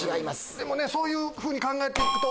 でもそういうふうに考えると。